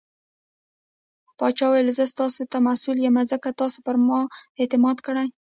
پاچا وويل :زه ستاسو ته مسوول يم ځکه تاسو پرما اعتماد کړٸ .